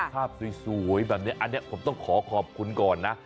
ภาพสวยแบบนี้อันนี้ผมต้องขอขอบคุณก่อนนะ